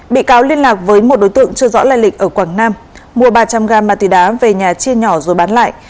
bị cáo liên lạc với một đối tượng chưa rõ lây lịch ở quảng nam mua ba trăm linh gam ma túy đá về nhà chia nhỏ rồi bán lại